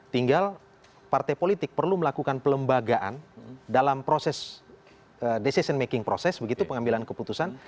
tinggal partai politik perlu melakukan pelembagaan dalam proses decision making proses begitu pengambilan keputusan